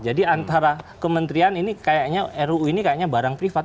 jadi antara kementerian ini kayaknya ruu ini kayaknya barang privat